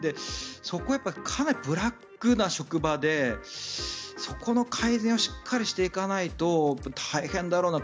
そこはやっぱりかなりブラックな職場でそこの改善をしっかりしていかないと大変だろうなと。